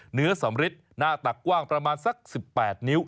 เหนือสำริดหน้าตักกว้างประมาณสัก๑๘นิ้ว